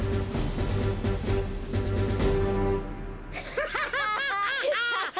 ハハハハハ！